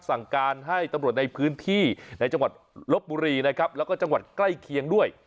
สั่งการให้ตำรวจในพื้นที่ในจังหวัดลบบุรีนะครับแล้วก็จังหวัดใกล้เคียงด้วย